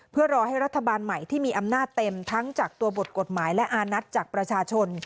เพื่อรอให้รัฐบาลใหม่ที่มีอำนาจเต็มทั้งจากตัวบทกฎหมายและอานัทจากประชาชน